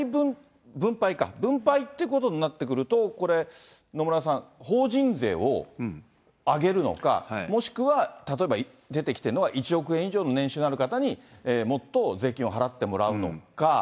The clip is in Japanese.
分配ってことになってくると、これ、野村さん、法人税を上げるのか、もしくは、例えば出てきているのは、１億円以上の年収のある方にもっと税金を払ってもらうのか。